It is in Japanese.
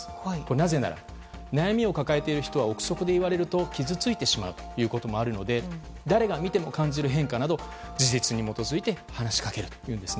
なぜなら、悩みを抱えている人は憶測で言われると傷ついてしまうということがあるので誰が見ても感じる変化など事実に基づいて話しかけるというんです。